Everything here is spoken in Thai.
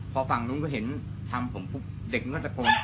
พอฝ์่งนู้นเขามีเห็นผมแล้วดูเด็กมันจะโกน